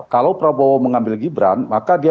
kalau prabowo mengambil gibran maka dia